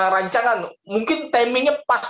rancangan mungkin timingnya pas